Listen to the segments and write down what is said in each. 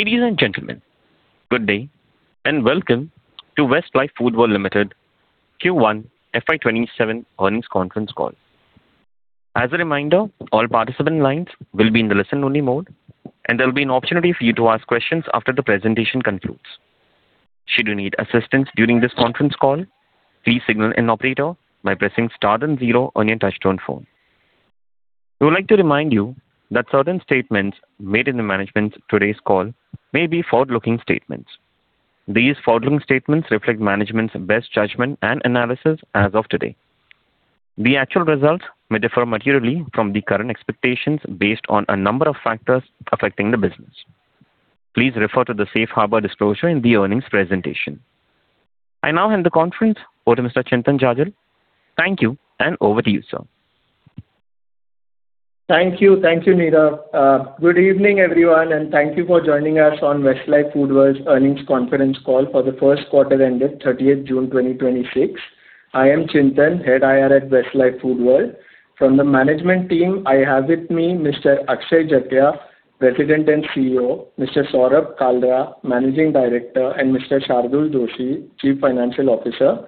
Ladies and gentlemen, good day, and welcome to Westlife Foodworld Limited Q1 FY 2027 earnings conference call. As a reminder, all participant lines will be in the listen only mode, and there will be an opportunity for you to ask questions after the presentation concludes. Should you need assistance during this conference call, please signal an operator by pressing star then zero on your touchtone phone. We would like to remind you that certain statements made in the management's today's call may be forward-looking statements. These forward-looking statements reflect management's best judgment and analysis as of today. The actual results may differ materially from the current expectations based on a number of factors affecting the business. Please refer to the Safe Harbor Disclosure in the earnings presentation. I now hand the conference over to Mr. Chintan Jajal. Thank you, and over to you, sir. Thank you, Neeraj. Good evening, everyone, and thank you for joining us on Westlife Foodworld's earnings conference call for the first quarter ended 30th June 2026. I am Chintan, Head IR at Westlife Foodworld. From the management team, I have with me Mr. Akshay Jatia, President and CEO, Mr. Saurabh Kalra, Managing Director, and Mr. Shardul Doshi, Chief Financial Officer.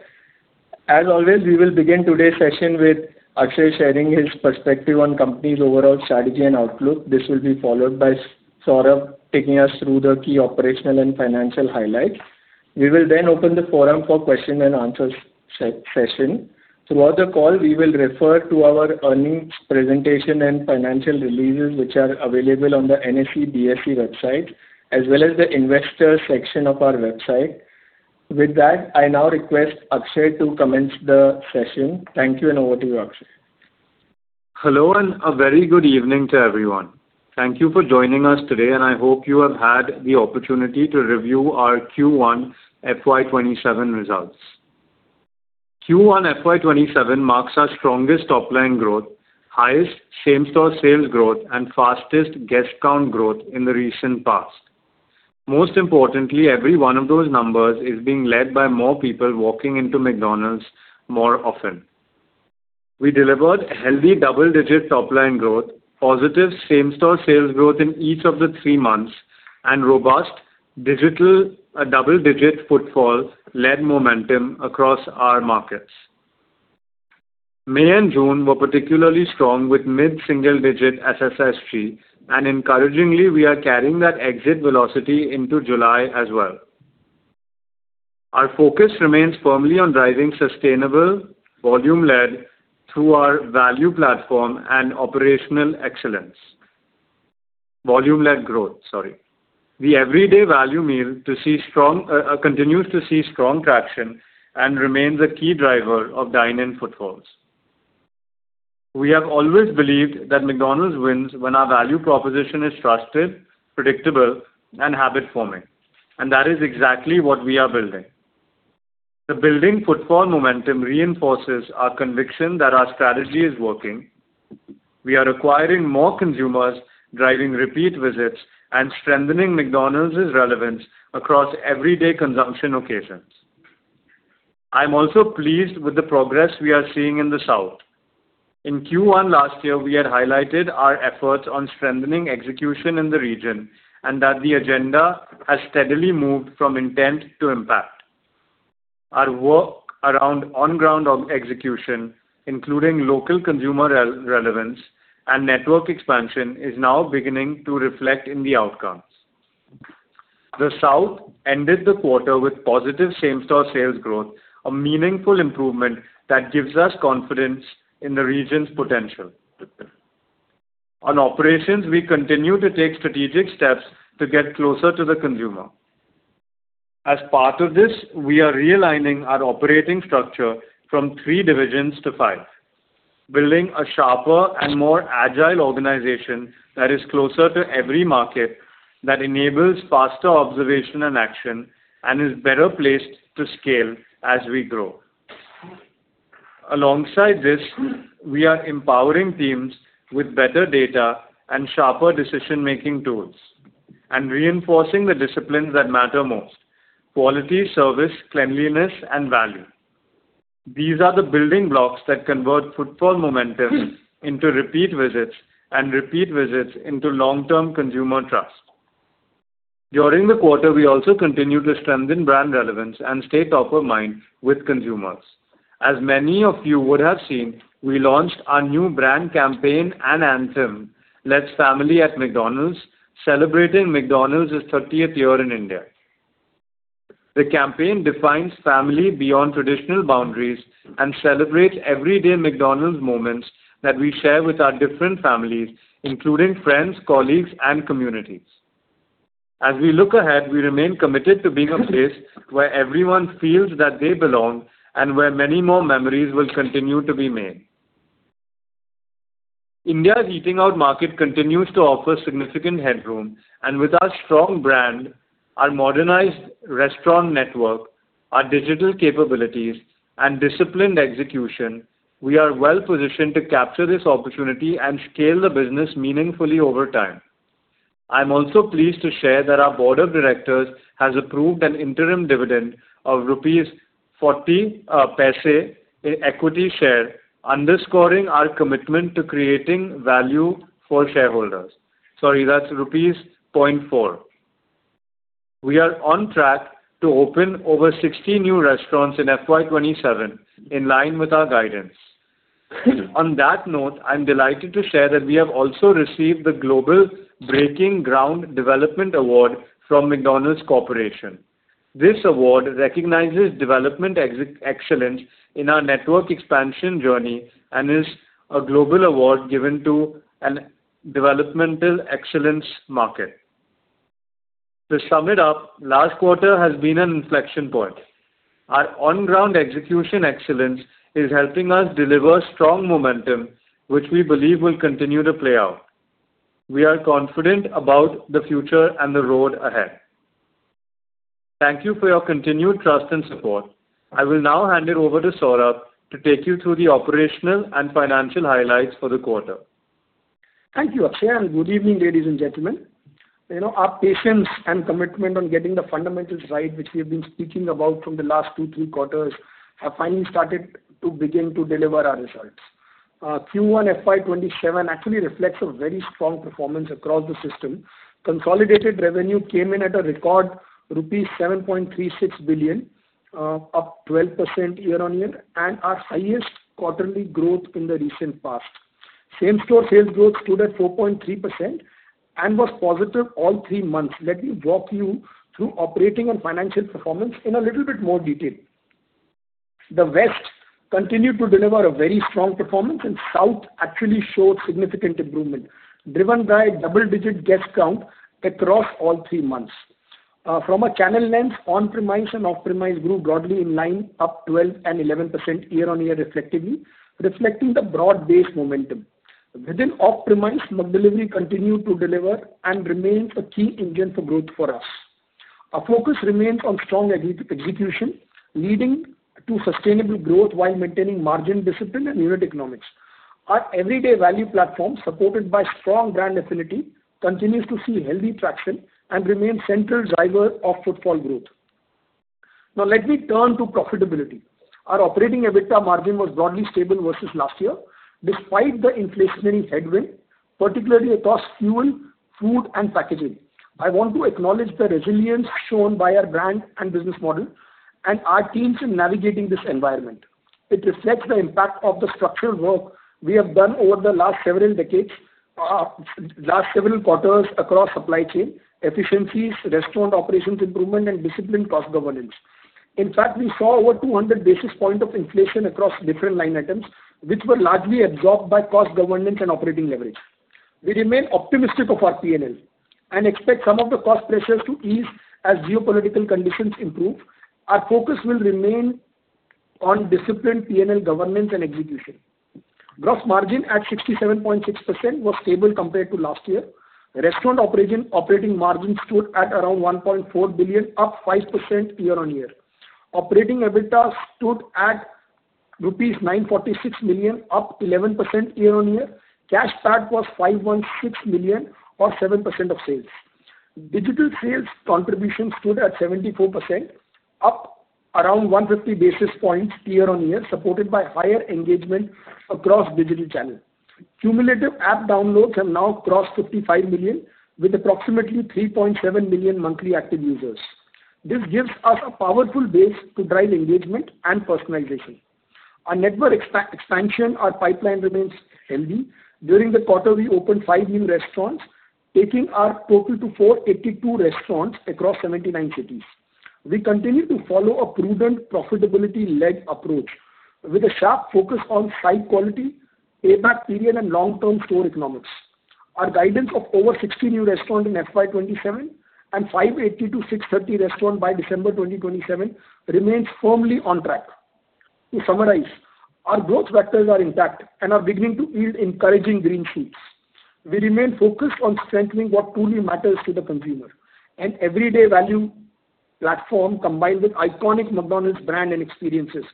As always, we will begin today's session with Akshay sharing his perspective on company's overall strategy and outlook. This will be followed by Saurabh taking us through the key operational and financial highlights. We will then open the forum for question and answers session. Throughout the call, we will refer to our earnings presentation and financial releases, which are available on the NSE, BSE website, as well as the investor section of our website. With that, I now request Akshay to commence the session. Thank you, and over to you, Akshay. Hello, and a very good evening to everyone. Thank you for joining us today, and I hope you have had the opportunity to review our Q1 FY 2027 results. Q1 FY 2027 marks our strongest top-line growth, highest same-store sales growth, and fastest guest count growth in the recent past. Most importantly, every one of those numbers is being led by more people walking into McDonald's more often. We delivered healthy double-digit top-line growth, positive same-store sales growth in each of the three months, and robust digital double-digit footfall led momentum across our markets. May and June were particularly strong with mid-single digit SSSG. Encouragingly, we are carrying that exit velocity into July as well. Our focus remains firmly on driving sustainable volume led through our value platform and operational excellence. Volume led growth, sorry. The Everyday Value meal continues to see strong traction and remains a key driver of dine-in footfalls. We have always believed that McDonald's wins when our value proposition is trusted, predictable, and habit-forming. That is exactly what we are building. The building footfall momentum reinforces our conviction that our strategy is working. We are acquiring more consumers, driving repeat visits, and strengthening McDonald's relevance across everyday consumption occasions. I am also pleased with the progress we are seeing in the South. In Q1 last year, we had highlighted our efforts on strengthening execution in the region, and that the agenda has steadily moved from intent to impact. Our work around on-ground execution, including local consumer relevance and network expansion, is now beginning to reflect in the outcomes. The South ended the quarter with positive same-store sales growth, a meaningful improvement that gives us confidence in the region's potential. On operations, we continue to take strategic steps to get closer to the consumer. As part of this, we are realigning our operating structure from three divisions to five, building a sharper and more agile organization that is closer to every market, that enables faster observation and action, and is better placed to scale as we grow. Alongside this, we are empowering teams with better data and sharper decision-making tools, and reinforcing the disciplines that matter most: quality, service, cleanliness, and value. These are the building blocks that convert footfall momentum into repeat visits, and repeat visits into long-term consumer trust. During the quarter, we also continued to strengthen brand relevance and stay top of mind with consumers. As many of you would have seen, we launched our new brand campaign and anthem, "Let's Family at McDonald's," celebrating McDonald's 30th year in India. The campaign defines family beyond traditional boundaries and celebrates everyday McDonald's moments that we share with our different families, including friends, colleagues, and communities. As we look ahead, we remain committed to being a place where everyone feels that they belong and where many more memories will continue to be made. India's eating out market continues to offer significant headroom, and with our strong brand, our modernized restaurant network, our digital capabilities, and disciplined execution, we are well positioned to capture this opportunity and scale the business meaningfully over time. I am also pleased to share that our Board of Directors has approved an interim dividend of rupees 0.40 in equity share, underscoring our commitment to creating value for shareholders. Sorry, that is rupees 0.4. We are on track to open over 60 new restaurants in FY 2027, in line with our guidance. On that note, I am delighted to share that we have also received the Global Breaking Ground Development Award from McDonald's Corporation. This award recognizes development excellence in our network expansion journey, and is a global award given to a developmental excellence market. To sum it up, last quarter has been an inflection point. Our on-ground execution excellence is helping us deliver strong momentum, which we believe will continue to play out. We are confident about the future and the road ahead. Thank you for your continued trust and support. I will now hand it over to Saurabh to take you through the operational and financial highlights for the quarter. Thank you, Akshay, and good evening, ladies and gentlemen. Our patience and commitment on getting the fundamentals right, which we have been speaking about from the last two, three quarters, have finally started to begin to deliver our results. Q1 FY 2027 actually reflects a very strong performance across the system. Consolidated revenue came in at a record rupees 7.36 billion, up 12% year-on-year, and our highest quarterly growth in the recent past. Same-store sales growth stood at 4.3% and was positive all three months. Let me walk you through operating and financial performance in a little bit more detail. The West continued to deliver a very strong performance, and South actually showed significant improvement, driven by double-digit guest count across all three months. From a channel lens, on-premise and off-premise grew broadly in line, up 12% and 11% year-on-year respectively, reflecting the broad-based momentum. Within off-premise, McDelivery continued to deliver and remains a key engine for growth for us. Our focus remains on strong execution, leading to sustainable growth while maintaining margin discipline and unit economics. Our Everyday Value platform, supported by strong brand affinity, continues to see healthy traction and remains central driver of footfall growth. Let me turn to profitability. Our operating EBITDA margin was broadly stable versus last year, despite the inflationary headwind, particularly across fuel, food, and packaging. I want to acknowledge the resilience shown by our brand and business model and our teams in navigating this environment. It reflects the impact of the structural work we have done over the last several quarters across supply chain efficiencies, restaurant operations improvement, and disciplined cost governance. In fact, we saw over 200 basis points of inflation across different line items, which were largely absorbed by cost governance and operating leverage. We remain optimistic of our P&L and expect some of the cost pressures to ease as geopolitical conditions improve. Our focus will remain on disciplined P&L governance and execution. Gross margin at 67.6% was stable compared to last year. Restaurant operating margin stood at around 1.4 billion, up 5% year-on-year. Operating EBITDA stood at rupees 946 million, up 11% year-on-year. Cash PAT was 516 million or 7% of sales. Digital sales contribution stood at 74%, up around 150 basis points year-on-year, supported by higher engagement across digital channel. Cumulative app downloads have now crossed 55 million, with approximately 3.7 million monthly active users. This gives us a powerful base to drive engagement and personalization. Our network expansion, our pipeline remains healthy. During the quarter, we opened five new restaurants, taking our total to 482 restaurants across 79 cities. We continue to follow a prudent profitability-led approach with a sharp focus on site quality, payback period, and long-term store economics. Our guidance of over 60 new restaurants in FY 2027 and 580-630 restaurants by December 2027 remains firmly on track. To summarize, our growth vectors are intact and are beginning to yield encouraging green shoots. We remain focused on strengthening what truly matters to the consumer. An Everyday Value platform combined with iconic McDonald's brand and experiences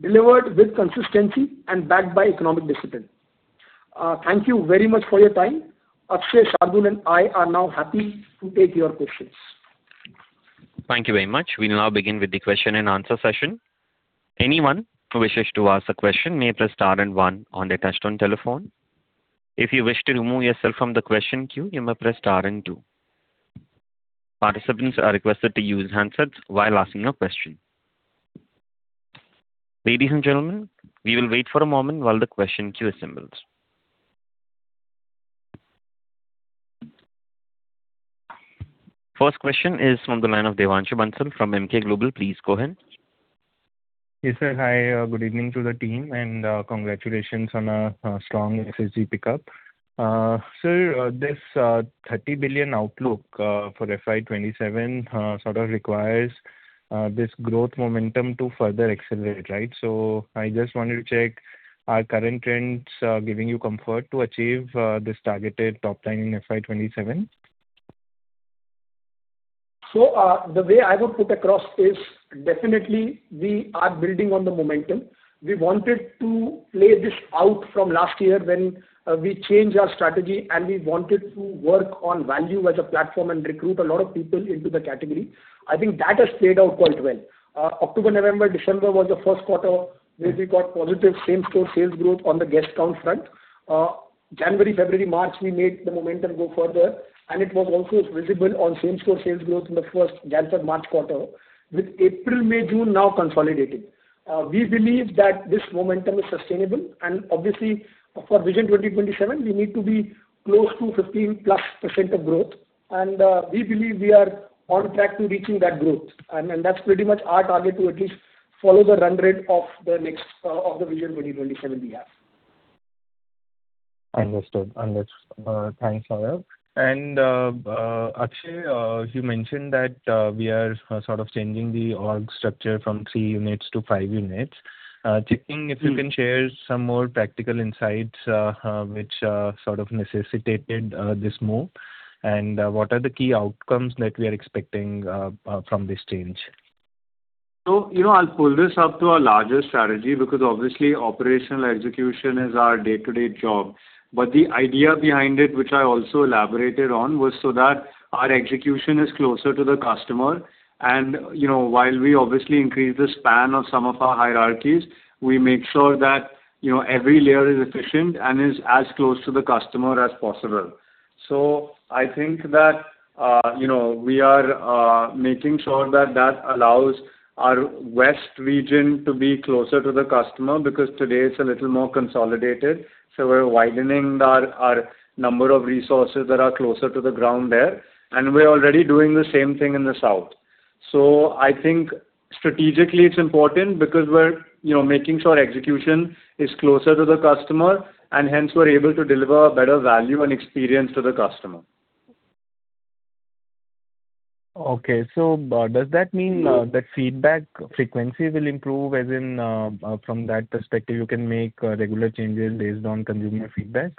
delivered with consistency and backed by economic discipline. Thank you very much for your time. Akshay, Shardul, and I are now happy to take your questions. Thank you very much. We now begin with the question and answer session. Anyone who wishes to ask a question may press star and one on their touch-tone telephone. If you wish to remove yourself from the question queue, you may press star and two. Participants are requested to use handsets while asking a question. Ladies and gentlemen, we will wait for a moment while the question queue assembles. First question is from the line of Devanshu Bansal from Emkay Global. Please go ahead. Yes, sir. Hi, good evening to the team and congratulations on a strong SSSG pickup. Sir, this 30 billion outlook for FY 2027 sort of requires this growth momentum to further accelerate. Right? I just wanted to check are current trends giving you comfort to achieve this targeted top line in FY 2027? The way I would put across is definitely we are building on the momentum. We wanted to play this out from last year when we changed our strategy, and we wanted to work on value as a platform and recruit a lot of people into the category. I think that has played out quite well. October, November, December was the first quarter where we got positive same-store sales growth on the guest count front January, February, March, we made the momentum go further, and it was also visible on same-store sales growth in the first January, February, March quarter, with April, May, June now consolidating. We believe that this momentum is sustainable and obviously for Vision 2027, we need to be close to 15+% of growth. We believe we are on track to reaching that growth. That's pretty much our target to at least follow the run rate of the Vision 2027 we have. Understood. Thanks, Saurabh. Akshay, you mentioned that we are sort of changing the org structure from three units to five units. Just seeing if you can share some more practical insights which sort of necessitated this move and what are the key outcomes that we are expecting from this change. I'll pull this up to our larger strategy because obviously operational execution is our day-to-day job. The idea behind it, which I also elaborated on, was so that our execution is closer to the customer. While we obviously increase the span of some of our hierarchies, we make sure that every layer is efficient and is as close to the customer as possible. I think that we are making sure that allows our West region to be closer to the customer because today it's a little more consolidated. We're widening our number of resources that are closer to the ground there. We're already doing the same thing in the South. I think strategically it's important because we're making sure execution is closer to the customer and hence we're able to deliver better value and experience to the customer. Okay. Does that mean that feedback frequency will improve? As in, from that perspective, you can make regular changes based on consumer feedback?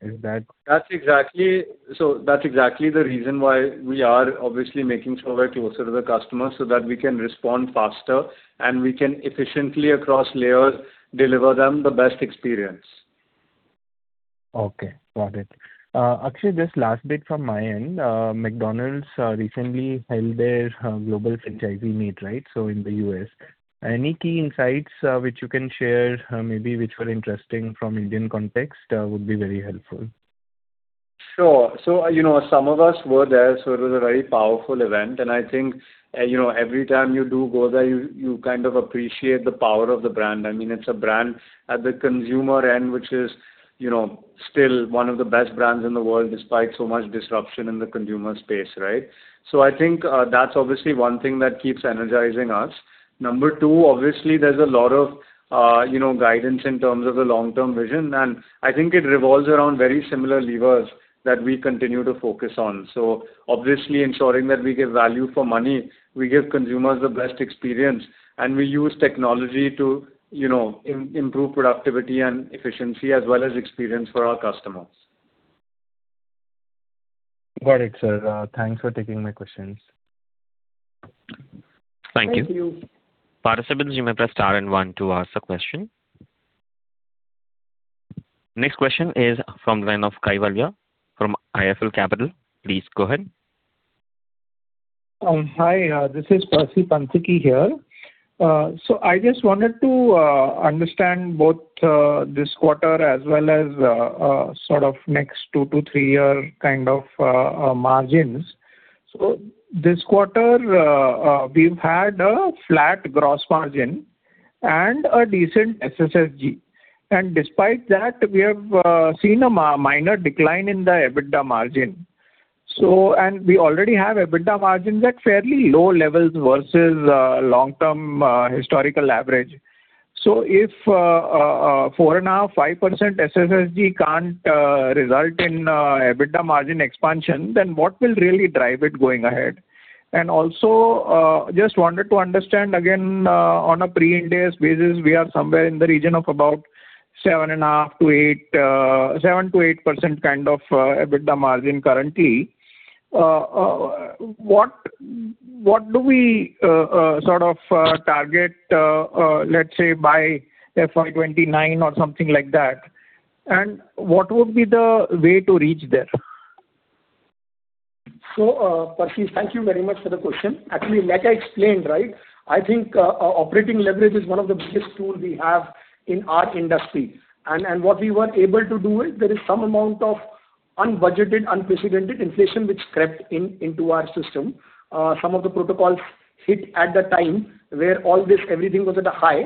Is that? That's exactly the reason why we are obviously making sure we're closer to the customer so that we can respond faster, and we can efficiently across layers deliver them the best experience. Okay, got it. Akshay, just last bit from my end. McDonald's recently held their global franchisee meet, right? In the U.S. Any key insights which you can share, maybe which were interesting from Indian context, would be very helpful. Sure. Some of us were there, it was a very powerful event. I think every time you do go there, you kind of appreciate the power of the brand. It's a brand at the consumer end, which is still one of the best brands in the world despite so much disruption in the consumer space, right? I think that's obviously one thing that keeps energizing us. Number two, obviously there's a lot of guidance in terms of the long-term vision, I think it revolves around very similar levers that we continue to focus on. Obviously ensuring that we give value for money, we give consumers the best experience, we use technology to improve productivity and efficiency as well as experience for our customers. Got it, sir. Thanks for taking my questions. Thank you. Thank you. Participants, you may press star and one to ask a question. Next question is from line of Kaivalya from IIFL Capital. Please go ahead. Hi, this is Percy Panthaki here. I just wanted to understand both this quarter as well as sort of next two to three year kind of margins. This quarter, we've had a flat gross margin and a decent SSSG. Despite that, we have seen a minor decline in the EBITDA margin. We already have EBITDA margins at fairly low levels versus long-term historical average. So if 4.5%-5% SSSG can't result in EBITDA margin expansion, then what will really drive it going ahead? Also, just wanted to understand again, on a pre-Ind AS basis, we are somewhere in the region of about 7%-8% kind of EBITDA margin currently. What do we sort of target, let's say by FY 2029 or something like that? And what would be the way to reach there? Percy, thank you very much for the question. Actually, like I explained. I think operating leverage is one of the biggest tools we have in our industry. What we were able to do is there is some amount of unbudgeted, unprecedented inflation which crept into our system. Some of the protocols hit at the time where all this, everything was at a high.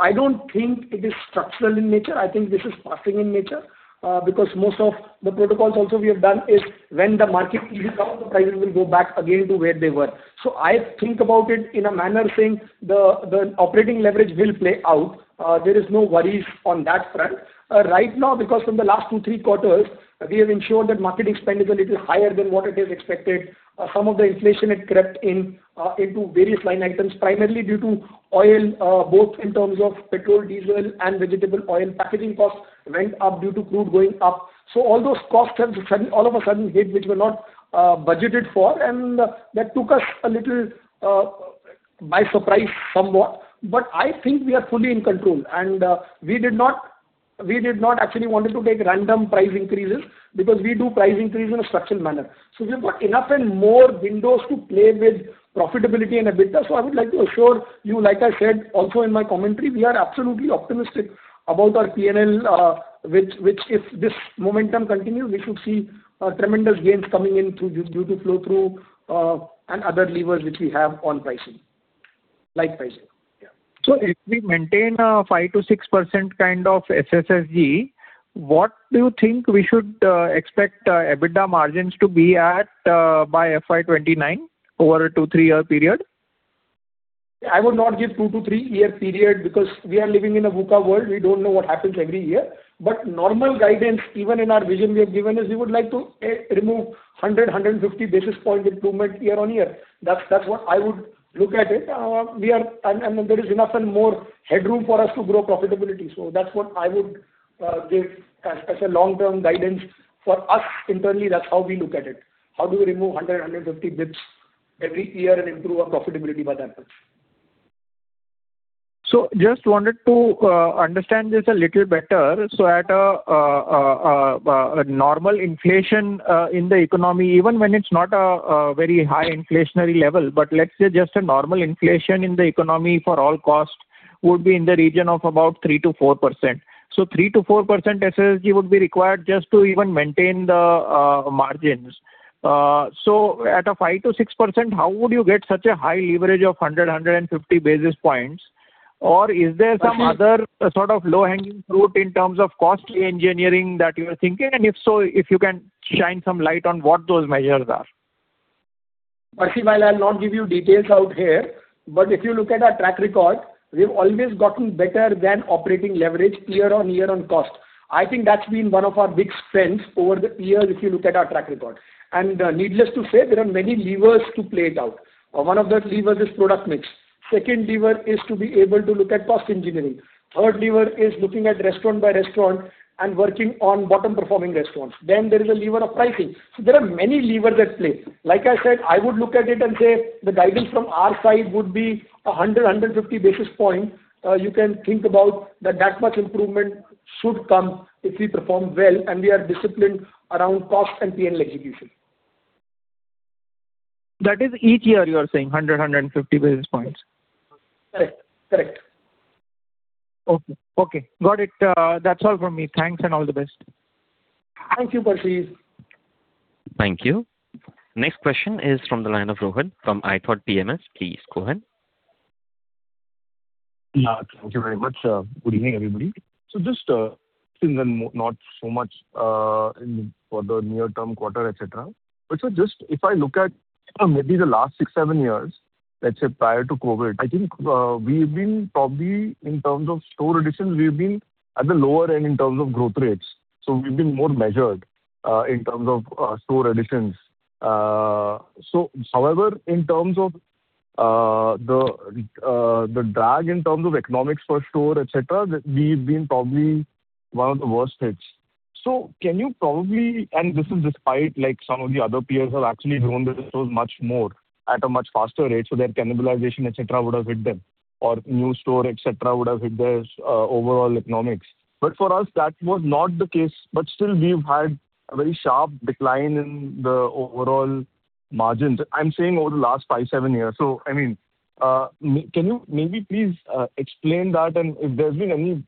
I don't think it is structural in nature. I think this is passing in nature. Most of the protocols also we have done is when the market ease out, the prices will go back again to where they were. I think about it in a manner saying the operating leverage will play out. There is no worries on that front. Right now from the last two, three quarters, we have ensured that marketing spend is a little higher than what it is expected. Some of the inflation had crept into various line items, primarily due to oil, both in terms of petrol, diesel, and vegetable oil. Packaging costs went up due to crude going up. All those costs all of a sudden hit, which were not budgeted for, and that took us a little by surprise somewhat. I think we are fully in control. We did not actually want to take random price increases because we do price increase in a structured manner. We've got enough and more windows to play with profitability and EBITDA. I would like to assure you, like I said, also in my commentary, we are absolutely optimistic about our P&L which, if this momentum continues, we should see tremendous gains coming in due to flow-through, and other levers which we have on pricing. If we maintain a 5%-6% kind of SSSG, what do you think we should expect EBITDA margins to be at by FY 2029 over a two, three-year period? I would not give two to three-year period because we are living in a VUCA world. We don't know what happens every year. Normal guidance, even in our vision we have given, is we would like to remove 100- 150 basis point improvement year on year. That's what I would look at it. There is enough and more headroom for us to grow profitability. That's what I would give as a long-term guidance. For us internally, that's how we look at it. How do we remove 100-150 basis points every year and improve our profitability by that much? Just wanted to understand this a little better. At a normal inflation in the economy, even when it's not a very high inflationary level, but let's say just a normal inflation in the economy for all costs would be in the region of about 3%-4%. 3%-4% SSSG would be required just to even maintain the margins. At a 5%-6%, how would you get such a high leverage of 100-150 basis points? Or is there some other sort of low-hanging fruit in terms of cost engineering that you're thinking? If so, if you can shine some light on what those measures are. Percy, while I'll not give you details out here, if you look at our track record, we've always gotten better than operating leverage year-on-year on cost. I think that's been one of our big strengths over the years if you look at our track record. Needless to say, there are many levers to play it out. One of the levers is product mix. Second lever is to be able to look at cost engineering. Third lever is looking at restaurant by restaurant and working on bottom-performing restaurants. There is a lever of pricing. There are many levers at play. Like I said, I would look at it and say the guidance from our side would be 100-150 basis points. You can think about that much improvement should come if we perform well, and we are disciplined around cost and P&L execution. That is each year you are saying, 100-150 basis points? Correct. Okay. Got it. That's all from me. Thanks and all the best. Thank you, Percy. Thank you. Next question is from the line of Rohit from ithoughtPMS. Please go ahead. Yeah. Thank you very much. Good evening, everybody. Just things and not so much for the near-term quarter, et cetera. Just if I look at maybe the last six, seven years, let's say prior to COVID, I think we've been probably in terms of store additions, we've been at the lower end in terms of growth rates. We've been more measured in terms of store additions. However, in terms of the drag in terms of economics for store, et cetera, we've been probably one of the worst hits. This is despite some of the other peers have actually grown their stores much more at a much faster rate, so their cannibalization, et cetera, would have hit them, or new store, et cetera, would have hit their overall economics. For us, that was not the case. Still, we've had a very sharp decline in the overall margins. I am saying over the last five, seven years. Can you maybe please explain that and if there's been any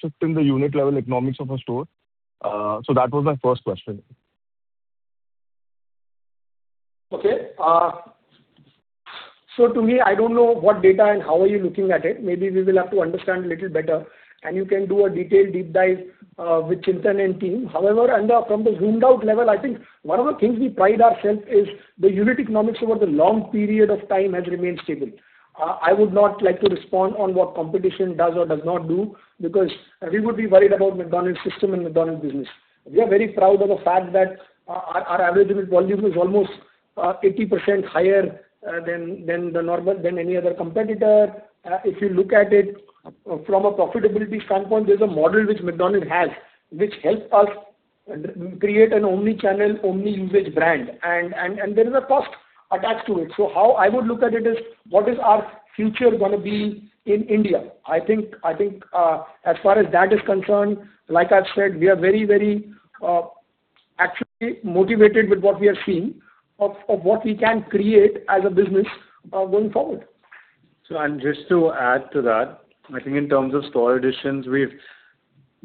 shift in the unit level economics of a store? That was my first question. To me, I don't know what data and how are you looking at it. Maybe we will have to understand a little better, and you can do a detailed deep dive with Chintan and team. However, from the zoomed-out level, I think one of the things we pride ourselves is the unit economics over the long period of time has remained stable. I would not like to respond on what competition does or does not do because we would be worried about McDonald's system and McDonald's business. We are very proud of the fact that our average unit volume is almost 80% higher than any other competitor. If you look at it from a profitability standpoint, there is a model which McDonald's has, which helps us create an omni-channel, omni-usage brand. There is a cost attached to it. How I would look at it is, what is our future going to be in India? I think as far as that is concerned, like I've said, we are very actually motivated with what we are seeing of what we can create as a business going forward. Just to add to that. I think in terms of store additions, we've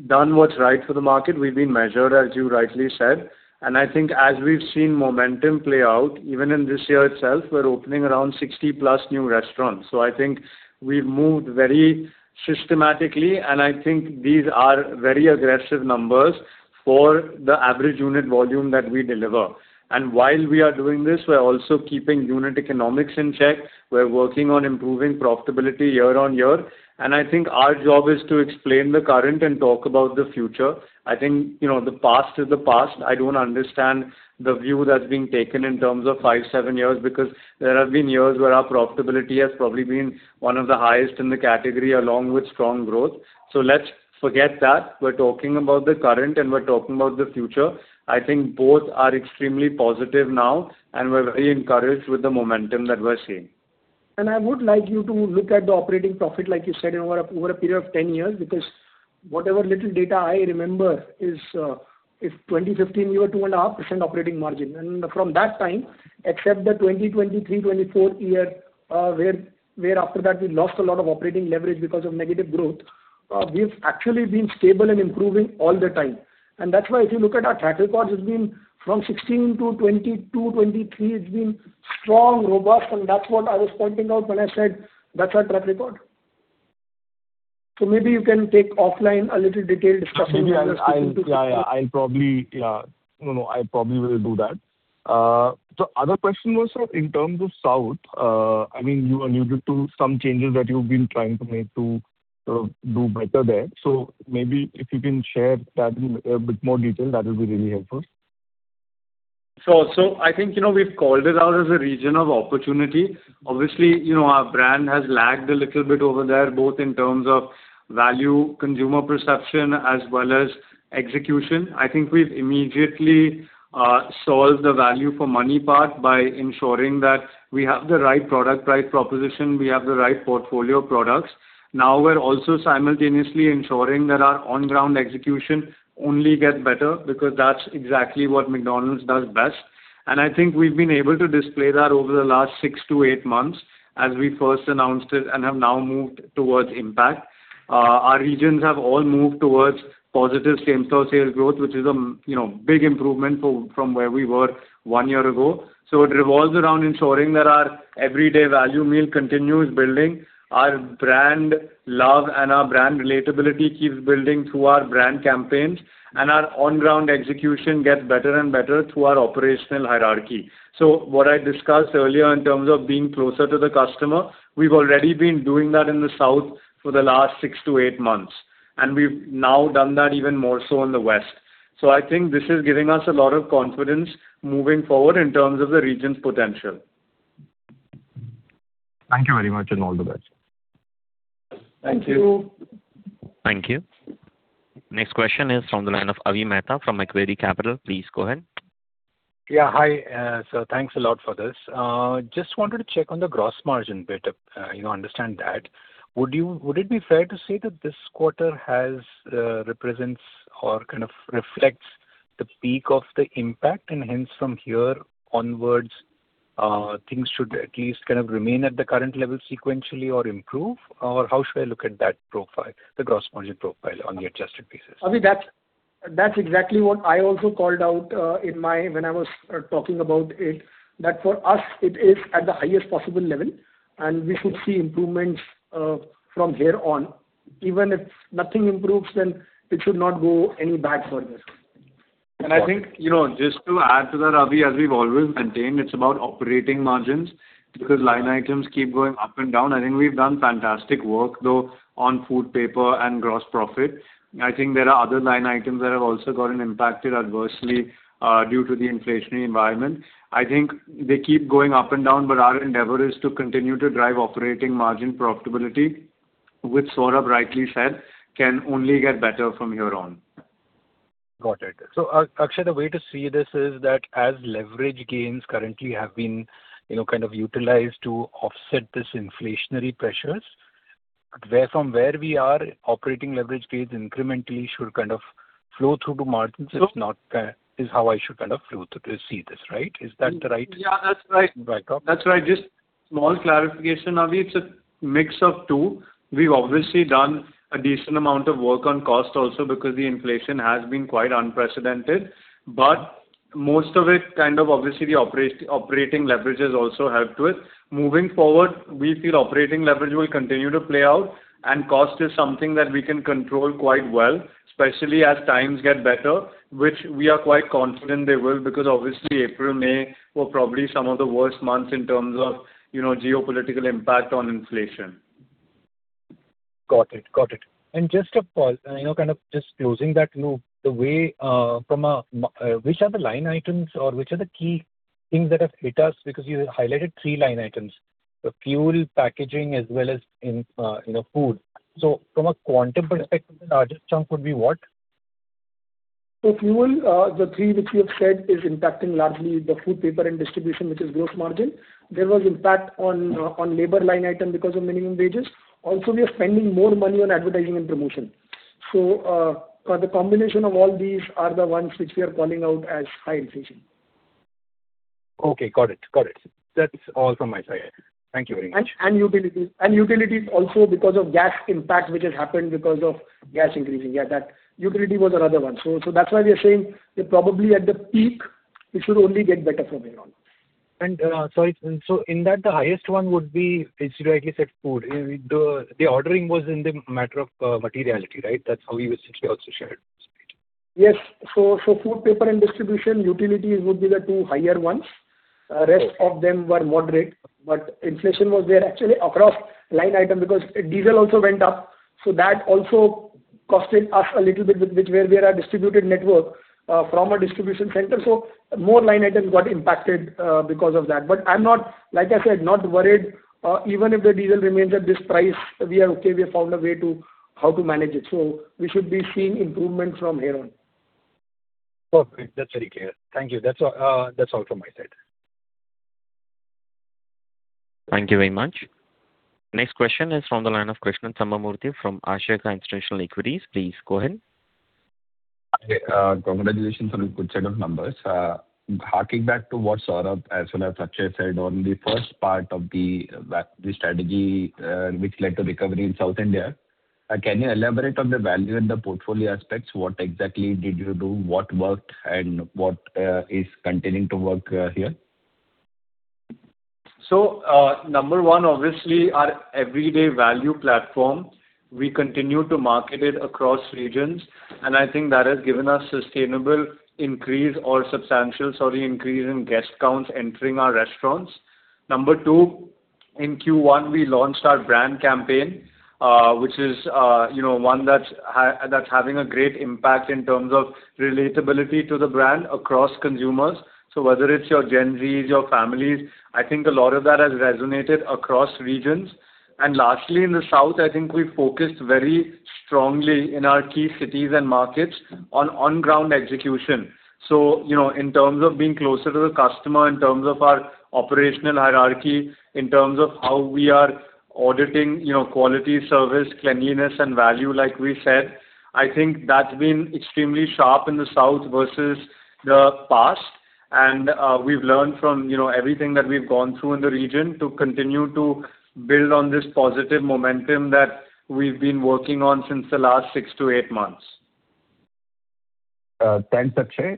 done what's right for the market. We've been measured, as you rightly said. I think as we've seen momentum play out, even in this year itself, we're opening around 60 plus new restaurants. I think we've moved very systematically, and I think these are very aggressive numbers for the average unit volume that we deliver. While we are doing this, we're also keeping unit economics in check. We're working on improving profitability year on year. I think our job is to explain the current and talk about the future. I think the past is the past. I don't understand the view that's being taken in terms of five, seven years because there have been years where our profitability has probably been one of the highest in the category along with strong growth. Let's forget that. We're talking about the current and we're talking about the future. I think both are extremely positive now, and we're very encouraged with the momentum that we're seeing. I would like you to look at the operating profit, like you said, over a period of 10 years, because whatever little data I remember is, if 2015 you were 2.5% operating margin, and from that time, except the 2023, 2024 year, where after that we lost a lot of operating leverage because of negative growth. We've actually been stable and improving all the time. That's why if you look at our track record, it's been from 2016 to 2020, to 2023, it's been strong, robust, and that's what I was pointing out when I said that's our track record. Maybe you can take offline a little detailed discussion- Certainly, I'll probably do that. The other question was, sir, in terms of South, you alluded to some changes that you've been trying to make to do better there. Maybe if you can share that in a bit more detail, that would be really helpful. I think, we've called it out as a region of opportunity. Obviously, our brand has lagged a little bit over there, both in terms of value consumer perception as well as execution. I think we've immediately solved the value for money part by ensuring that we have the right product price proposition, we have the right portfolio of products. Now we're also simultaneously ensuring that our on-ground execution only gets better, because that's exactly what McDonald's does best. I think we've been able to display that over the last six to eight months as we first announced it and have now moved towards impact. Our regions have all moved towards positive same-store sales growth, which is a big improvement from where we were one year ago. It revolves around ensuring that our Everyday Value meal continues building, our brand love, and our brand relatability keeps building through our brand campaigns, and our on-ground execution gets better and better through our operational hierarchy. What I discussed earlier in terms of being closer to the customer, we've already been doing that in the South for the last six to eight months, and we've now done that even more so in the West. I think this is giving us a lot of confidence moving forward in terms of the region's potential. Thank you very much, and all the best. Thank you. Thank you. Thank you. Next question is from the line of Avi Mehta from Macquarie Capital. Please go ahead. Yeah. Hi. Thanks a lot for this. Just wanted to check on the gross margin bit, understand that. Would it be fair to say that this quarter represents or kind of reflects the peak of the impact, and hence from here onwards, things should at least kind of remain at the current level sequentially or improve? Or how should I look at that profile, the gross margin profile on the adjusted basis? Avi, that's exactly what I also called out when I was talking about it, that for us, it is at the highest possible level, and we should see improvements from here on. Even if nothing improves, then it should not go any bad for this. I think, just to add to that, Avi, as we've always maintained, it's about operating margins because line items keep going up and down. I think we've done fantastic work, though, on food paper and gross profit. I think there are other line items that have also gotten impacted adversely due to the inflationary environment. I think they keep going up and down, but our endeavor is to continue to drive operating margin profitability, which Saurabh rightly said, can only get better from here on. Got it. Akshay, the way to see this is that as leverage gains currently have been kind of utilized to offset this inflationary pressures, from where we are operating leverage gains incrementally should kind of flow through to margins- So- is how I should kind of see this, right? Is that the right Yeah, that's right. Right approach? That's right. Just small clarification, Avi. It's a mix of two. We've obviously done a decent amount of work on cost also because the inflation has been quite unprecedented, but most of it kind of obviously operating leverage has also helped with. Moving forward, we feel operating leverage will continue to play out, and cost is something that we can control quite well, especially as times get better, which we are quite confident they will because obviously April, May were probably some of the worst months in terms of geopolitical impact on inflation. Got it. Just a pause, kind of just closing that loop, which are the line items or which are the key things that have hit us? Because you highlighted three line items, the fuel, packaging, as well as in food. From a quantum perspective, the largest chunk would be what? Fuel, the three which we have said is impacting largely the food paper and distribution, which is gross margin. There was impact on labor line item because of minimum wages. We are spending more money on advertising and promotion. The combination of all these are the ones which we are calling out as high inflation. Okay, got it. That's all from my side. Thank you very much. Utilities also because of gas impact, which has happened because of gas increasing. Yeah, that utility was another one. That's why we are saying we're probably at the peak. It should only get better from here on. In that the highest one would be, as you rightly said, food. The ordering was in the matter of materiality, right? That's how we basically also shared on this page. Food paper and distribution, utilities would be the two higher ones. Rest of them were moderate, inflation was there actually across line item because diesel also went up, that also costed us a little bit, which where we are a distributed network from a distribution center. More line items got impacted because of that. Like I said, not worried. Even if the diesel remains at this price, we are okay. We have found a way how to manage it. We should be seeing improvement from here on. Perfect. That's very clear. Thank you. That's all from my side. Thank you very much. Next question is from the line of Krishnan Sambamoorthy from Ashika Institutional Equities. Please go ahead. Hi. Congratulations on a good set of numbers. Harking back to what Saurabh as well as Akshay said on the first part of the strategy which led to recovery in South India. Can you elaborate on the value and the portfolio aspects? What exactly did you do? What worked and what is continuing to work here? Number one, obviously our Everyday Value platform, we continue to market it across regions, and I think that has given us sustainable increase or substantial, sorry, increase in guest counts entering our restaurants. Number two, in Q1, we launched our brand campaign, which is one that's having a great impact in terms of relatability to the brand across consumers. Whether it's your Gen Zs, your families, I think a lot of that has resonated across regions. Lastly, in the South, I think we focused very strongly in our key cities and markets on ground execution. In terms of being closer to the customer, in terms of our operational hierarchy, in terms of how we are auditing quality, service, cleanliness, and value like we said, I think that's been extremely sharp in the South versus the past. We've learned from everything that we've gone through in the region to continue to build on this positive momentum that we've been working on since the last six to eight months. Thanks, Akshay.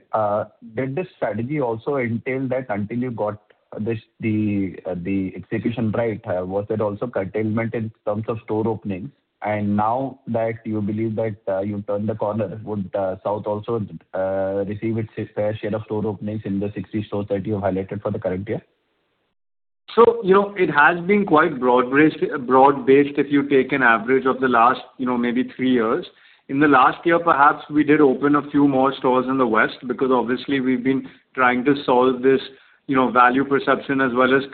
Did this strategy also entail that until you got the execution right, was it also curtailment in terms of store openings? Now that you believe that you've turned the corner, would South also receive its fair share of store openings in the 60 stores that you highlighted for the current year? It has been quite broad-based if you take an average of the last maybe three years. In the last year, perhaps we did open a few more stores in the West because obviously we've been trying to solve this value perception as well as this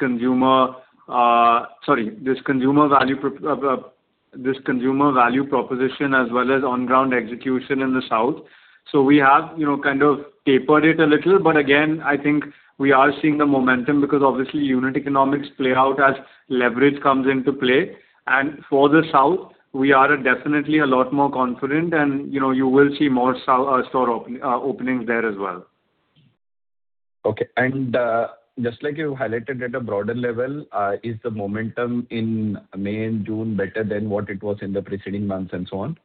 consumer value proposition as well as on ground execution in the South. We have kind of tapered it a little. Again, I think we are seeing the momentum because obviously unit economics play out as leverage comes into play. For the South, we are definitely a lot more confident and you will see more store openings there as well. Okay. Just like you highlighted at a broader level, is the momentum in May and June better than what it was in the preceding months and so on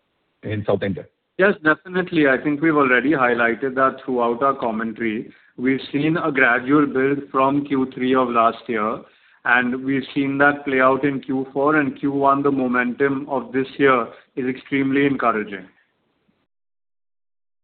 in South India? Yes, definitely. I think we've already highlighted that throughout our commentary. We've seen a gradual build from Q3 of last year, and we've seen that play out in Q4 and Q1. The momentum of this year is extremely encouraging.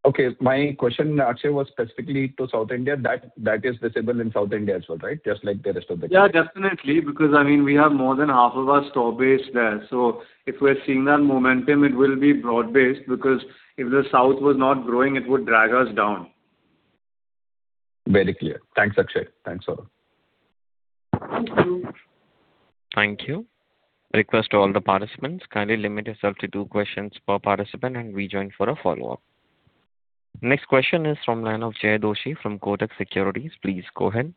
Okay. My question, Akshay, was specifically to South India, that is visible in South India as well, right? Just like the rest of the country. Yeah, definitely. I mean, we have more than half of our store base there. So if we're seeing that momentum, it will be broad based because if the South was not growing, it would drag us down. Very clear. Thanks, Akshay. Thanks, Saurabh. Thank you. Request to all the participants, kindly limit yourself to two questions per participant, and rejoin for a follow-up. Next question is from line of Jay Doshi from Kotak Securities. Please go ahead.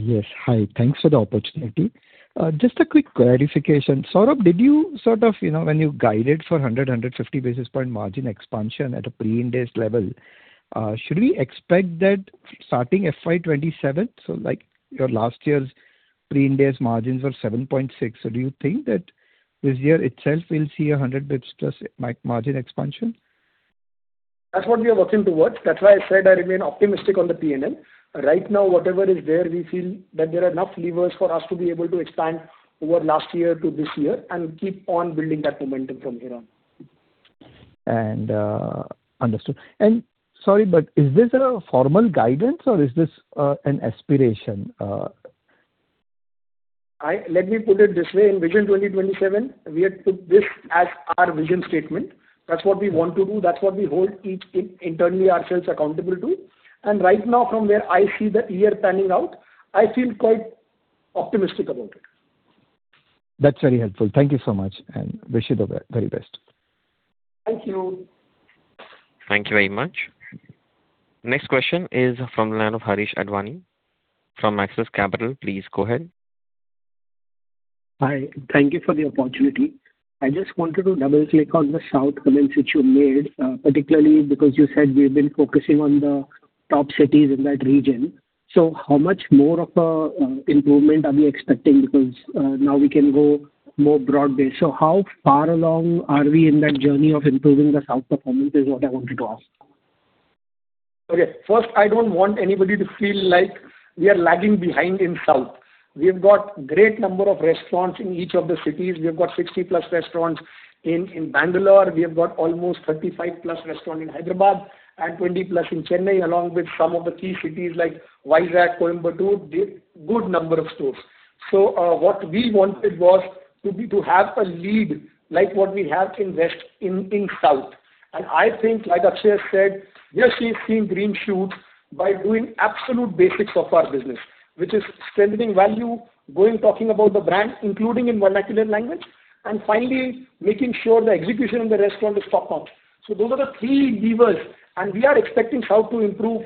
Yes. Hi. Thanks for the opportunity. Just a quick clarification. Saurabh, when you guided for 100 basis points-150 basis points margin expansion at a pre-Ind AS level, should we expect that starting FY 2027? Like your last year's pre-Ind AS margins were 7.6%. Do you think that this year itself we'll see 100 basis points plus margin expansion? That's what we are working towards. That's why I said I remain optimistic on the P&L. Right now, whatever is there, we feel that there are enough levers for us to be able to expand over last year to this year and keep on building that momentum from here on. Understood. Sorry, but is this a formal guidance or is this an aspiration? Let me put it this way, in Vision 2027, we had put this as our vision statement. That's what we want to do. That's what we hold internally ourselves accountable to. Right now, from where I see the year panning out, I feel quite optimistic about it. That's very helpful. Thank you so much, and wish you the very best. Thank you. Thank you very much. Next question is from the line of Harish Advani from Axis Capital. Please go ahead. Hi. Thank you for the opportunity. I just wanted to double-click on the South comments which you made, particularly because you said we've been focusing on the top cities in that region. How much more of a improvement are we expecting because now we can go more broad-based. How far along are we in that journey of improving the South performance is what I wanted to ask? Okay. First, I don't want anybody to feel like we are lagging behind in South. We've got great number of restaurants in each of the cities. We've got 60+ restaurants in Bangalore. We have got almost 35+ restaurant in Hyderabad and 25+ in Chennai, along with some of the key cities like Vizag, Coimbatore, good number of stores. What we wanted was to have a lead like what we have in West in South. I think like Akshay said, we are seeing green shoots by doing absolute basics of our business, which is strengthening value, going talking about the brand, including in vernacular language Finally, making sure the execution in the restaurant is top-notch. Those are the three levers, and we are expecting South to improve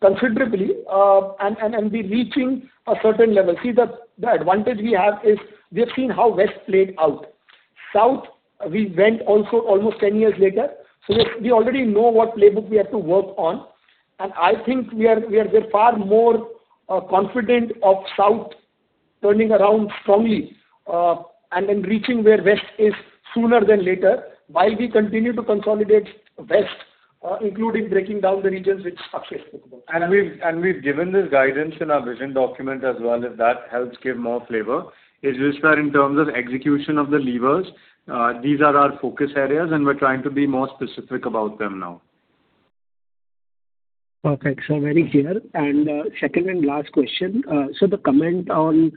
considerably and be reaching a certain level. See, the advantage we have is we have seen how West played out. South, we went also almost 10 years later. We already know what playbook we have to work on, and I think we are far more confident of South turning around strongly and then reaching where West is sooner than later while we continue to consolidate West, including breaking down the regions which Akshay spoke about. We've given this guidance in our vision document as well, if that helps give more flavor. It's just that in terms of execution of the levers, these are our focus areas, we're trying to be more specific about them now. Perfect. Very clear. Second and last question. The comment on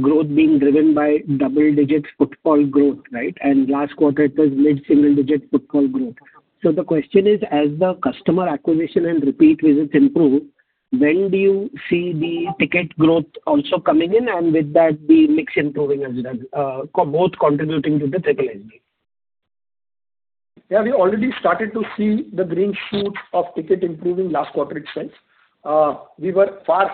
growth being driven by double-digit footfall growth. Last quarter, it was mid-single digit footfall growth. The question is: as the customer acquisition and repeat visits improve, when do you see the ticket growth also coming in, and with that, the mix improving as well, both contributing to the triple NP? We already started to see the green shoots of ticket improving last quarter itself. We were far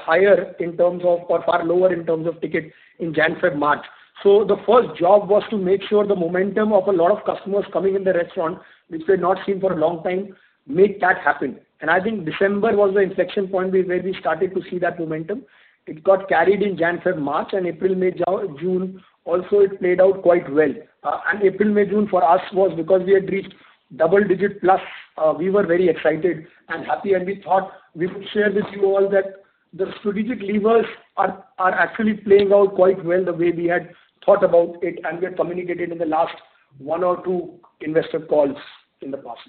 lower in terms of ticket in January, February, March. The first job was to make sure the momentum of a lot of customers coming in the restaurant, which we had not seen for a long time, make that happen. I think December was the inflection point where we started to see that momentum. It got carried in January, February, March, and April, May, June also it played out quite well. April, May, June for us was because we had reached double digit plus. We were very excited and happy, and we thought we would share with you all that the strategic levers are actually playing out quite well the way we had thought about it and we had communicated in the last one or two investor calls in the past.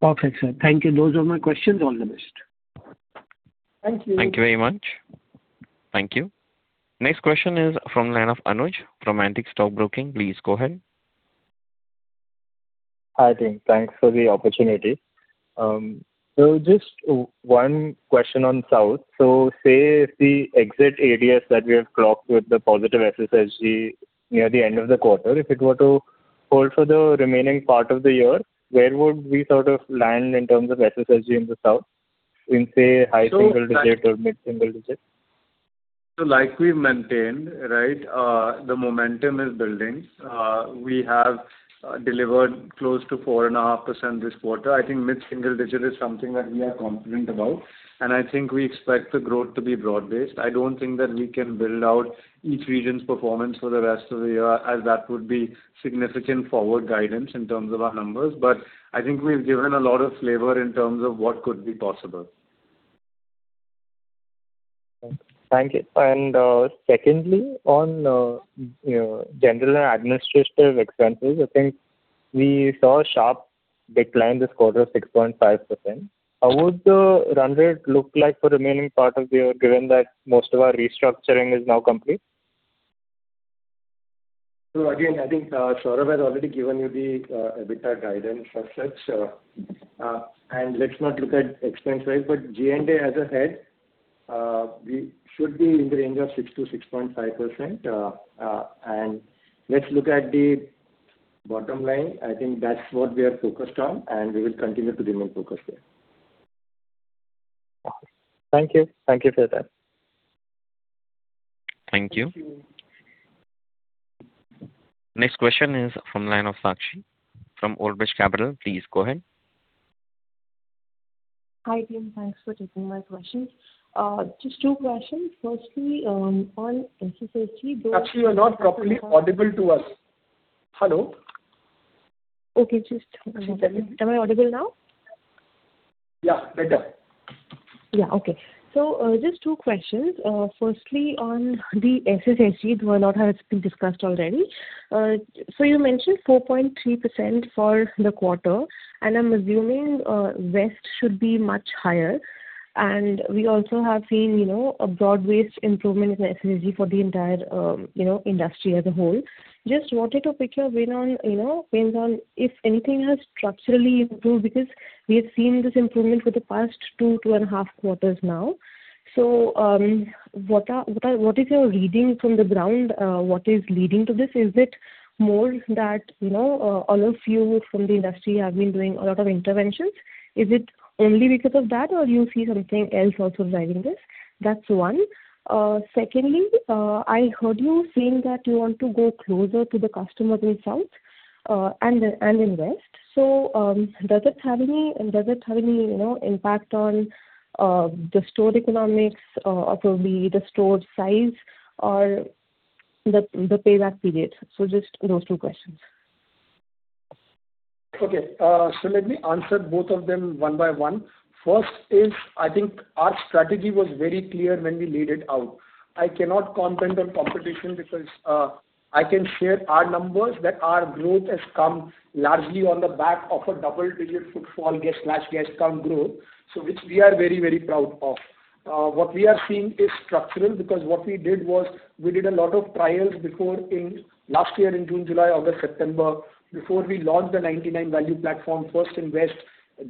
Perfect, sir. Thank you. Those were my questions on the list. Thank you. Thank you very much. Thank you. Next question is from line of Anuj from Antique Stock Broking. Please go ahead. Hi, team. Thanks for the opportunity. Just one question on South. Say if the exit ADS that we have clocked with the positive SSSG near the end of the quarter, if it were to hold for the remaining part of the year, where would we sort of land in terms of SSSG in the South, in, say, high single digit or mid-single digit? Like we've maintained, the momentum is building. We have delivered close to 4.5% this quarter. I think mid-single digit is something that we are confident about, we expect the growth to be broad-based. I don't think that we can build out each region's performance for the rest of the year, as that would be significant forward guidance in terms of our numbers. I think we've given a lot of flavor in terms of what could be possible. Thank you. Secondly, on general and administrative expenses, I think we saw a sharp decline this quarter of 6.5%. How would the run rate look like for the remaining part of the year, given that most of our restructuring is now complete? Again, I think Saurabh has already given you the EBITDA guidance as such. Let's not look at expense, right? G&A as a head, we should be in the range of 6%-6.5%. Let's look at the bottom line. I think that's what we are focused on, and we will continue to remain focused there. Thank you. Thank you for your time. Thank you. Next question is from line of Sakshi from Old Bridge Capital. Please go ahead. Hi, team. Thanks for taking my questions. Just two questions. Firstly, on SSSG- Sakshi, you're not properly audible to us. Hello? Okay. Am I audible now? Yeah, better. Yeah. Okay. Just two questions. Firstly, on the SSSG, though a lot has been discussed already. You mentioned 4.3% for the quarter, and I'm assuming West should be much higher. We also have seen a broad-based improvement in SSSG for the entire industry as a whole. Just wanted to pick your brain on if anything has structurally improved, because we have seen this improvement for the past two and a half quarters now. What is your reading from the ground? What is leading to this? Is it more that all of you from the industry have been doing a lot of interventions? Is it only because of that, or do you see something else also driving this? That's one. Secondly, I heard you saying that you want to go closer to the customers in South and in West. Does it have any impact on the store economics, or probably the store size or the payback period? Just those two questions. Okay. Let me answer both of them one by one. First is, I think our strategy was very clear when we laid it out. I cannot comment on competition because I can share our numbers that our growth has come largely on the back of a double-digit footfall/guest count growth. Which we are very proud of. What we are seeing is structural, because what we did was, we did a lot of trials before in last year in June, July, August, September, before we launched the 99 value platform first in West,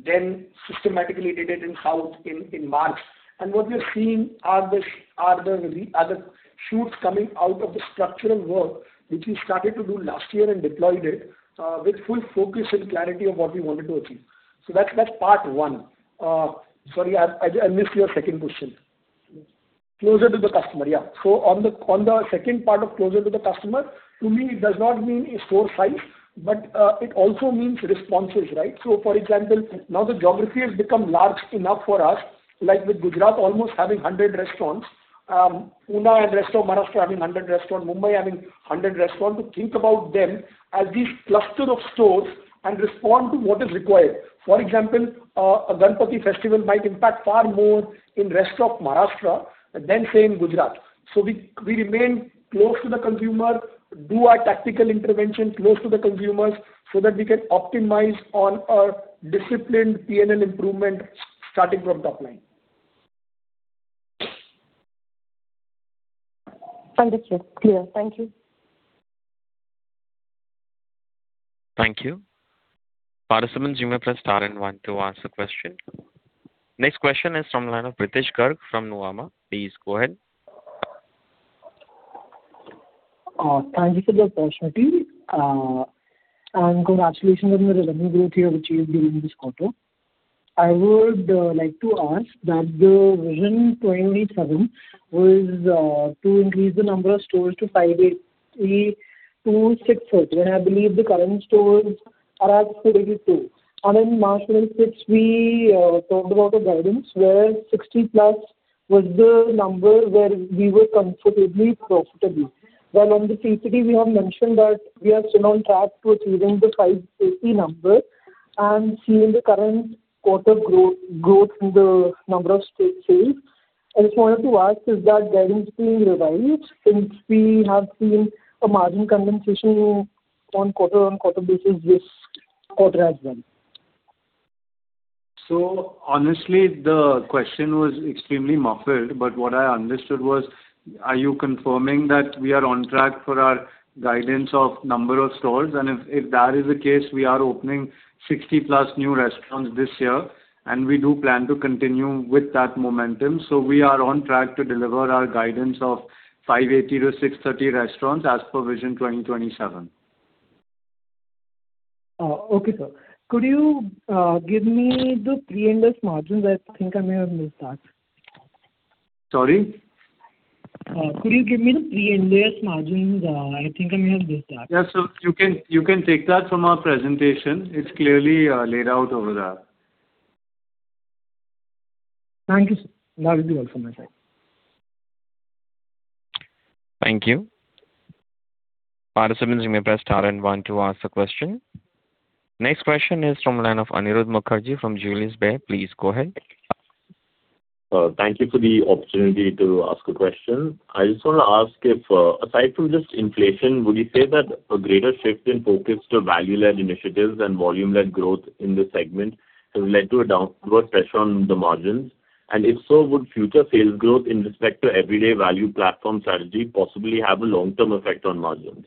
then systematically did it in South in March. What we're seeing are the shoots coming out of the structural work, which we started to do last year and deployed it with full focus and clarity of what we wanted to achieve. That's part one. Sorry, I missed your second question. Closer to the customer. On the second part of closer to the customer, to me, it does not mean a store size, but it also means responses, right? For example, now the geography has become large enough for us, like with Gujarat almost having 100 restaurants, Pune and rest of Maharashtra having 100 restaurant, Mumbai having 100 restaurant, to think about them as these cluster of stores and respond to what is required. For example, a Ganpati festival might impact far more in rest of Maharashtra than, say, in Gujarat. We remain close to the consumer, do our tactical intervention close to the consumers, so that we can optimize on our disciplined P&L improvement starting from top line. Understood. Clear. Thank you. Thank you. Participants, you may press star and one to ask a question. Next question is from the line of Prithish Garg from Nuvama. Please go ahead. Thank you for the opportunity. Congratulations on the revenue growth you have achieved during this quarter. I would like to ask that the Vision 2027 was to increase the number of stores to 580-630, and I believe the current stores are at 320. In March when we talked about the guidance where 60+ was the number where we were comfortably profitable. On the TCD, we have mentioned that we are still on track to achieving the 550 number and seeing the current quarter growth in the number of store sales. I just wanted to ask, is that guidance being revised since we have seen a margin condensation on quarter-on-quarter basis this quarter as well? Honestly, the question was extremely muffled, what I understood was, are you confirming that we are on track for our guidance of number of stores? If that is the case, we are opening 60+ new restaurants this year, we do plan to continue with that momentum. We are on track to deliver our guidance of 580-630 restaurants as per Vision 2027. Okay, sir. Could you give me the pre-interest margins? I think I may have missed that. Sorry? Could you give me the pre-interest margins? I think I may have missed that. Yeah, you can take that from our presentation. It's clearly laid out over there. Thank you, sir. That will be all from my side. Thank you. Participants, you may press star and one to ask a question. Next question is from the line of Anirudh Mukherjee from Julius Baer. Please go ahead. Thank you for the opportunity to ask a question. I just want to ask if, aside from just inflation, would you say that a greater shift in focus to value-led initiatives and volume-led growth in this segment has led to a downward pressure on the margins? If so, would future sales growth in respect to Everyday Value platform strategy possibly have a long-term effect on margins?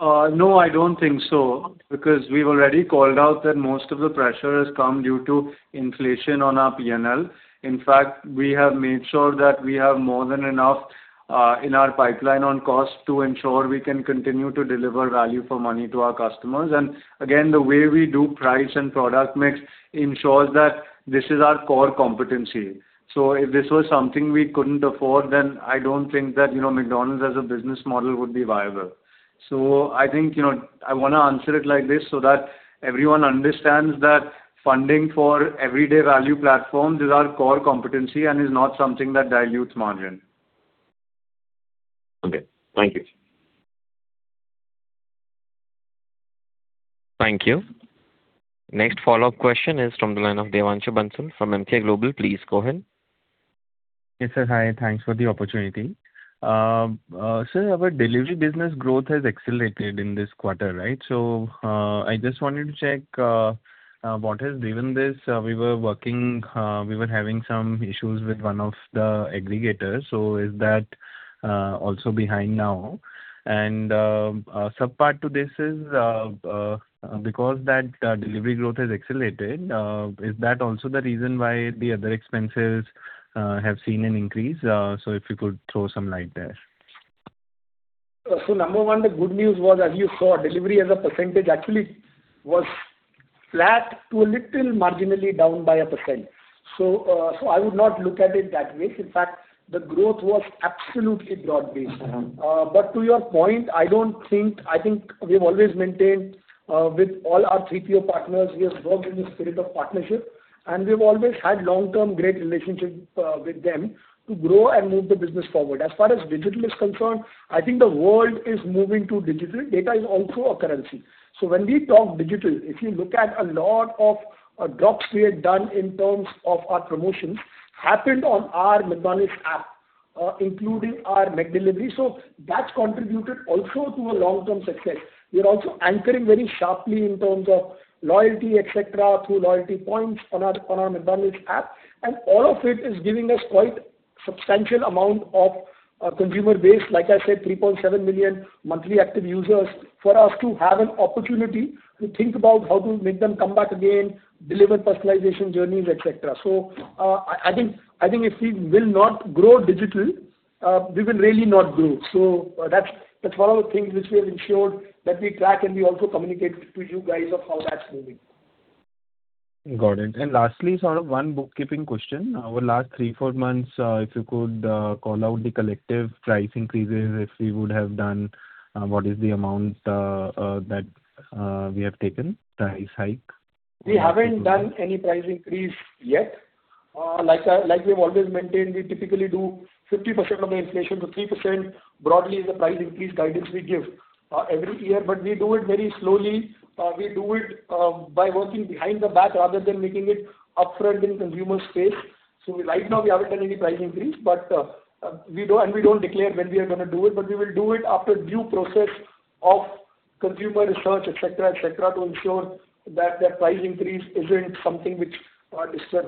No, I don't think so, because we've already called out that most of the pressure has come due to inflation on our P&L. In fact, we have made sure that we have more than enough in our pipeline on cost to ensure we can continue to deliver value for money to our customers. Again, the way we do price and product mix ensures that this is our core competency. If this was something we couldn't afford, then I don't think that McDonald's as a business model would be viable. I want to answer it like this so that everyone understands that funding for Everyday Value platform is our core competency and is not something that dilutes margin. Okay. Thank you. Thank you. Next follow-up question is from the line of Devanshu Bansal from Emkay Global. Please go ahead. Yes, sir. Hi, thanks for the opportunity. Sir, our delivery business growth has accelerated in this quarter, right? I just wanted to check what has driven this. We were having some issues with one of the aggregators, is that also behind now? Sub-part to this is because that delivery growth has accelerated, is that also the reason why the other expenses have seen an increase? If you could throw some light there. Number one, the good news was, as you saw, delivery as a percentage actually was flat to a little marginally down by 1%. I would not look at it that way. In fact, the growth was absolutely broad-based. To your point, I think we've always maintained with all our TPO partners, we have worked in the spirit of partnership, and we've always had long-term great relationship with them to grow and move the business forward. As far as digital is concerned, I think the world is moving to digital. Data is also a currency. When we talk digital, if you look at a lot of drops we had done in terms of our promotions happened on our McDonald's app including our McDelivery. That's contributed also to a long-term success. We are also anchoring very sharply in terms of loyalty, et cetera, through loyalty points on our McDonald's app. All of it is giving us quite substantial amount of consumer base, like I said, 3.7 million monthly active users, for us to have an opportunity to think about how to make them come back again, deliver personalization journeys, et cetera. I think if we will not grow digital, we will really not grow. That's one of the things which we have ensured that we track and we also communicate to you guys of how that's moving. Got it. Lastly, sort of one bookkeeping question. Over last three, four months, if you could call out the collective price increases, if we would have done, what is the amount that we have taken, price hike? We haven't done any price increase yet. Like we've always maintained, we typically do 50% of the inflation, 3% broadly is the price increase guidance we give every year. We do it very slowly, we do it by working behind the back rather than making it upfront in consumer space. Right now we haven't done any price increase, and we don't declare when we are going to do it, but we will do it after due process of consumer research, et cetera, to ensure that that price increase isn't something which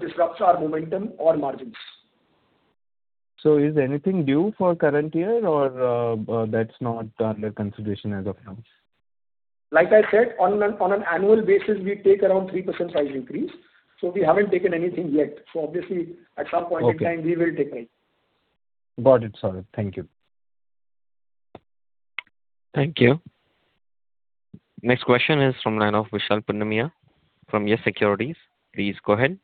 disrupts our momentum or margins. Is anything due for current year or that's not under consideration as of now? Like I said, on an annual basis, we take around 3% price increase. We haven't taken anything yet. Obviously at some point in time we will take price. Got it. Sorry. Thank you. Thank you. Next question is from line of Vishal Punmiya from YES SECURITIES. Please go ahead.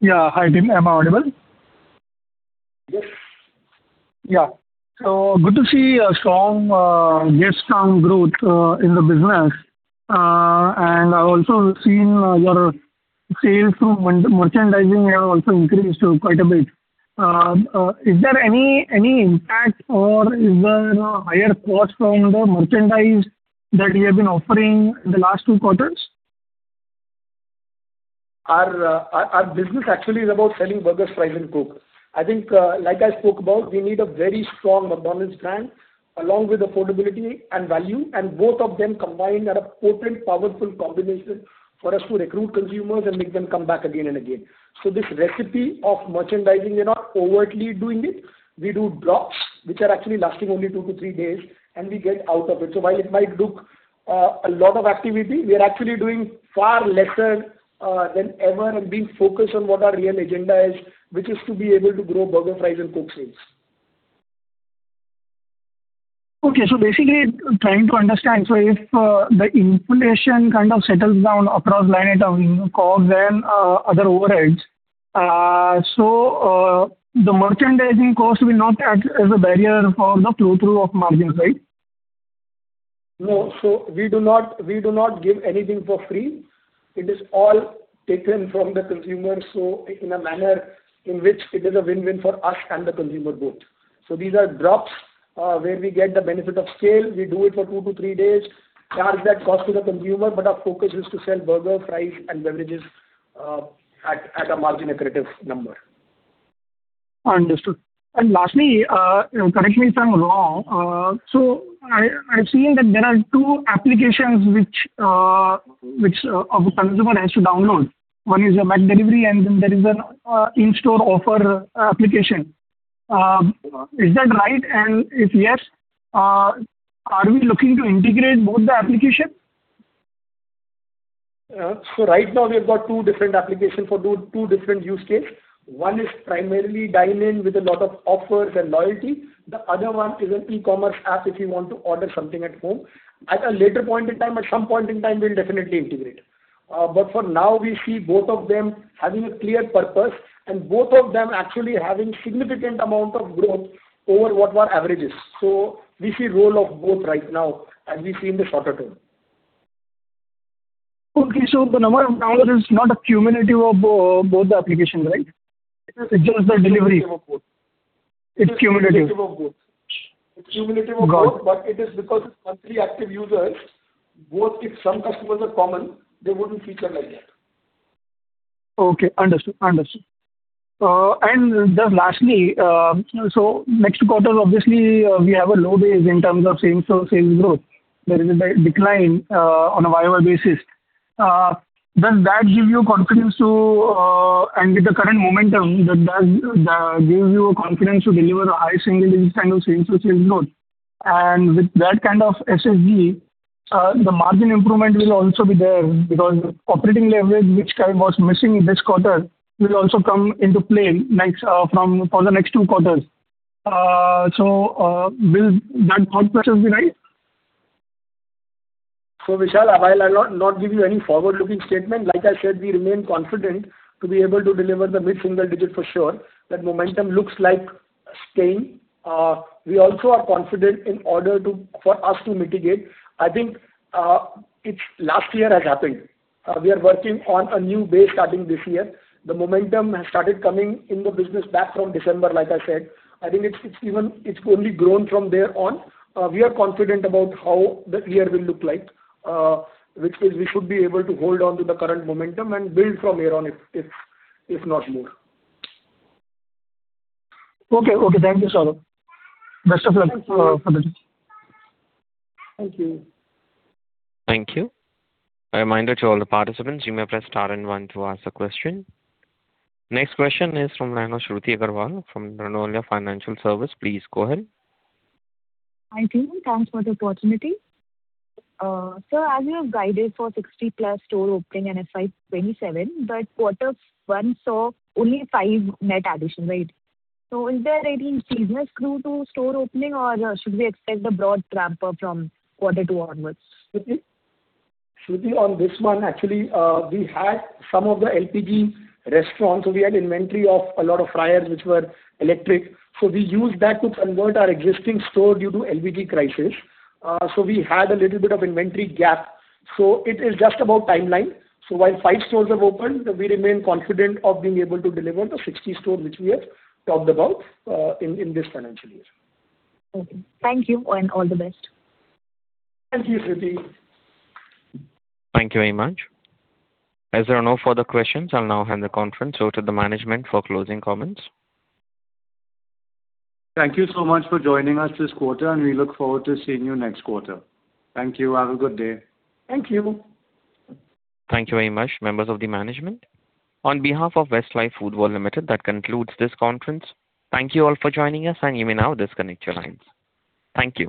Yeah. Hi, team. Am I audible? Yes. Yeah. Good to see a strong year, strong growth, in the business. I've also seen your sales from merchandising have also increased quite a bit. Is there any impact or is there a higher cost from the merchandise that you have been offering in the last two quarters? Our business actually is about selling burgers, fries, and Coke. I think, like I spoke about, we need a very strong McDonald's brand along with affordability and value, and both of them combined are a potent, powerful combination for us to recruit consumers and make them come back again and again. This recipe of merchandising, we're not overtly doing it. We do drops, which are actually lasting only two to three days, and we get out of it. While it might look a lot of activity, we are actually doing far lesser than ever and being focused on what our real agenda is, which is to be able to grow burger, fries, and Coke sales. Okay. Basically trying to understand. If the inflation kind of settles down across line item, COGS and other overheads, so the merchandising cost will not act as a barrier for the flow-through of margins, right? No. We do not give anything for free. It is all taken from the consumer in a manner in which it is a win-win for us and the consumer both. These are drops, where we get the benefit of scale. We do it for two to three days, charge that cost to the consumer, but our focus is to sell burgers, fries, and beverages at a margin accretive number. Understood. Lastly, correct me if I'm wrong. I've seen that there are two applications which a consumer has to download. One is a McDelivery, and then there is an in-store offer application. Is that right? If yes, are we looking to integrate both the application? Right now we've got two different application for two different use case. One is primarily dine-in with a lot of offers and loyalty. The other one is an e-commerce app if you want to order something at home. At a later point in time, at some point in time, we'll definitely integrate. For now, we see both of them having a clear purpose and both of them actually having significant amount of growth over what were averages. We see role of both right now, and we see in the shorter term. Okay. The number is not a cumulative of both the application, right? It's just the delivery. It's cumulative of both. It's cumulative. Cumulative of both. Got it. It is because monthly active users, both if some customers are common, they wouldn't feature like that. Okay. Understood. Just lastly, next quarter, obviously, we have a low base in terms of same store sales growth. There is a decline on a year-over-year basis. With the current momentum, does that give you a confidence to deliver a high single digit kind of same store sales growth? With that kind of SSSG, the margin improvement will also be there because operating leverage which kind of was missing this quarter will also come into play for the next two quarters. Will that hypothesis be right? Vishal, I will not give you any forward-looking statement. Like I said, we remain confident to be able to deliver the mid-single digit for sure. That momentum looks like staying. We also are confident in order for us to mitigate. I think it's last year has happened. We are working on a new base starting this year. The momentum has started coming in the business back from December, like I said. I think it's only grown from there on. We are confident about how the year will look like, which is we should be able to hold on to the current momentum and build from here on, if not more. Okay. Thank you, Saurabh. Best of luck for the day. Thank you. Thank you. A reminder to all the participants, you may press star one to ask a question. Next question is from line of Shruti Agarwal from Narnolia Financial Services. Please go ahead. Hi, team. Thanks for the opportunity. Sir, as you have guided for 60+ store opening in FY 2027, but quarter one saw only five net addition. Right? Is there any seasonal skew to store opening or should we expect a broad ramp up from quarter two onwards? Shruti, on this one, actually, we had some of the LPG restaurants. We had inventory of a lot of fryers which were electric. We used that to convert our existing store due to LPG crisis. We had a little bit of inventory gap. It is just about timeline. While five stores have opened, we remain confident of being able to deliver the 60 stores which we have talked about in this financial year. Okay. Thank you and all the best. Thank you, Shruti. Thank you very much. As there are no further questions, I'll now hand the conference over to the management for closing comments. Thank you so much for joining us this quarter, and we look forward to seeing you next quarter. Thank you. Have a good day. Thank you. Thank you very much, members of the management. On behalf of Westlife Foodworld Limited, that concludes this conference. Thank you all for joining us, you may now disconnect your lines. Thank you.